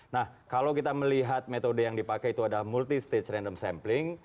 nah kalau kita melihat metode yang dipakai itu ada multi stage random sampling